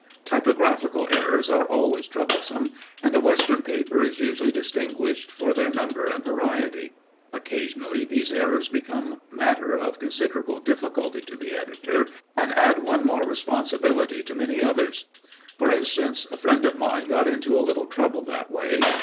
Typographical errors are always troublesome, and a Western paper is usually distinguished for their number and variety. Occasionally these errors become matter of considerable difficulty to the editor, and add one more responsibility to many others. Tor instance, a friend of mine got into a little trouble that way.